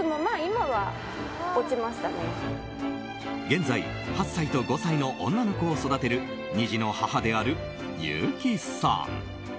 現在８歳と５歳の女の子を育てる２児の母である優木さん。